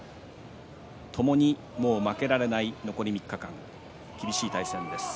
ともにもう負けられない残り３日間、厳しい対戦です。